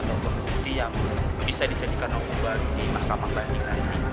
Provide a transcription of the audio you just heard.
atau berbukti yang bisa dijadikan hukuman di mahkamah banding